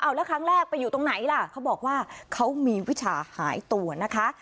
แล้วครั้งแรกไปอยู่ตรงไหนล่ะเขาบอกว่าเขามีวิชาหายตัวนะคะ